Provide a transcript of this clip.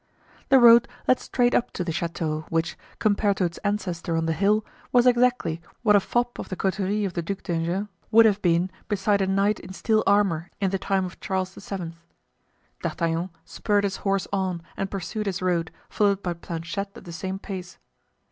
The road led straight up to the chateau which, compared to its ancestor on the hill, was exactly what a fop of the coterie of the Duc d'Enghein would have been beside a knight in steel armor in the time of Charles VII. D'Artagnan spurred his horse on and pursued his road, followed by Planchet at the same pace.